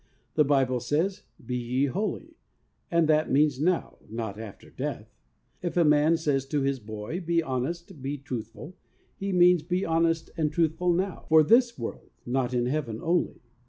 The Bible says, ' Be ye holy '; and that means now, not after death. If a man says to his boy, 'Be honest, be truthful,' he means. Be honest and truthful now, for this world, not in Heaven only.